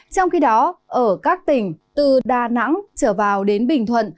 trong khi đó ở các tỉnh từ đà nẵng trở vào đến bình thuận